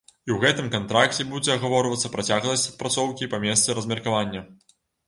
І ў гэтым кантракце будзе агаворвацца працягласць адпрацоўкі па месцы размеркавання.